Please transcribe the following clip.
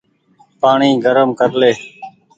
پآڻيٚ گرم ڪر لي ۔